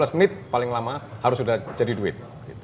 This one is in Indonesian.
lima belas menit paling lama harus sudah jadi duit